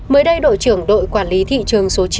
mới đây đội trưởng đội quản lý thị trường số chín